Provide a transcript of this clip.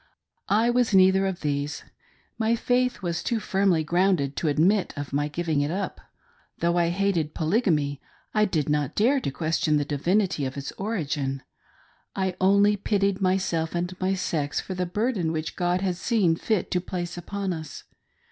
I was neither of these. My faith was too firmly grounded to admit of my giving it up. Though I hated Polygamy, I did not dare to question the divinity of its origin. I only pitied myself and my sex for the burden which God had seen fit to place upon us.